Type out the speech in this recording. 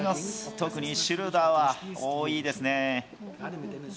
特にシュルーダーは多いですね。